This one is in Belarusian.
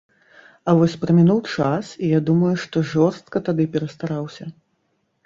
А вось прамінуў час, і я думаю, што жорстка тады перастараўся.